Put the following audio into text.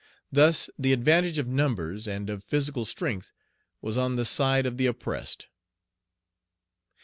Thus the advantage of numbers and of physical strength was on the side of the oppressed.